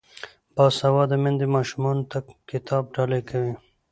باسواده میندې ماشومانو ته کتاب ډالۍ کوي.